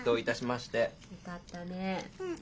よかったね。